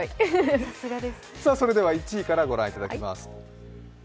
それでは１位からご覧いただきます。